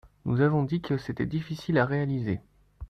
Nous vous avons dit que c’était difficile à réaliser.